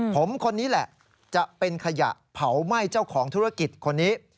ผมคนนี้แหละจะเป็นขยะเผาไหม้เจ้าของธุรกิจคนนี้